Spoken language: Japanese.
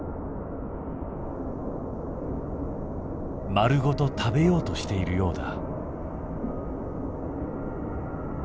丸ごと食べようとしているようだ。